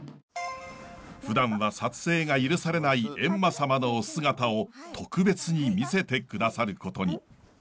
ふだんは撮影が許されない閻魔様のお姿を特別に見せて下さることに。